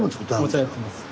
お茶やってます。